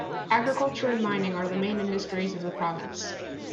Agriculture and mining are the main industries of the province.